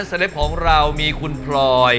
เล็ปของเรามีคุณพลอย